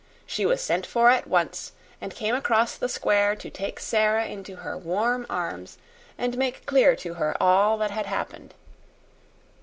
She was sent for at once, and came across the square to take Sara into her warm arms and make clear to her all that had happened.